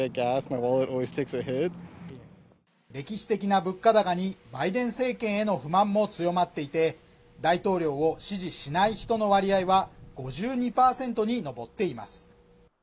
歴史的な物価高にバイデン政権への不満も強まっていて大統領を支持しない人の割合は５２％に上っています